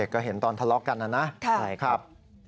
ก็เห็นตอนทะเลาะกันนะนะใช่ครับ